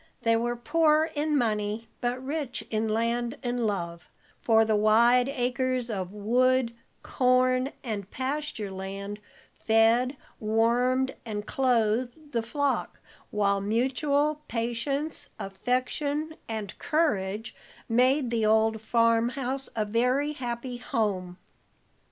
They were poor in money, but rich in land and love, for the wide acres of wood, corn, and pasture land fed, warmed, and clothed the flock, while mutual patience, affection, and courage made the old farm house a very happy home.